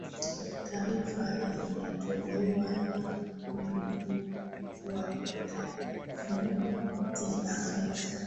taarifa imetolewa na mkuu wa utafiti afrika